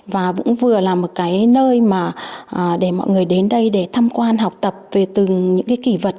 và cũng vừa là một cái nơi mà để mọi người đến đây để tham quan học tập về từng những cái kỷ vật